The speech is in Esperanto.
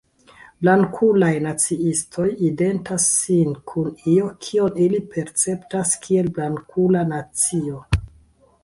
Blankulaj naciistoj identas sin kun io, kion ili perceptas kiel "blankula nacio.